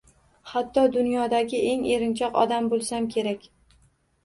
Hatto dunyodagi eng erinchoq odam bo’lsam kerak